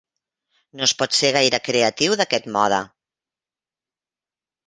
No es pot ser gaire creatiu d'aquest mode.